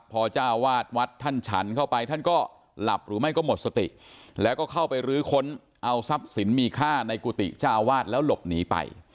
พอเจ้าวาดวัดท่านฉันเข้าไปท่านก็หลับหรือไม่ก็หมดสติแล้วก็เข้าไปรื้อค้นเอาทรัพย์สินมีค่าในกุฏิเจ้าอาวาสแล้วหลบหนีไป